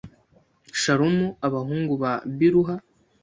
Shalumu abahungu ba Biluha